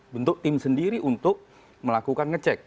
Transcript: bentuk tim sendiri untuk melakukan ngecek